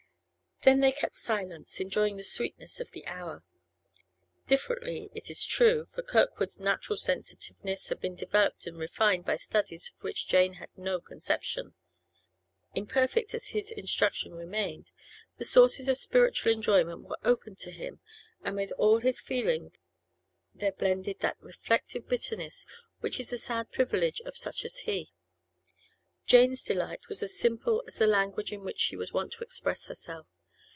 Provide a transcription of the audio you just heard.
Then they kept silence, enjoying the sweetness of the hour. Differently, it is true; for Kirkwood's natural sensitiveness had been developed and refined by studies of which Jane had no conception. Imperfect as his instruction remained, the sources of spiritual enjoyment were open to him, and with all his feeling there blended that reflective bitterness which is the sad privilege of such as he. Jane's delight was as simple as the language in which she was wont to express herself.